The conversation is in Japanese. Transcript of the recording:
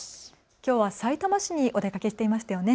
きょうはさいたま市にお出かけしていましたよね。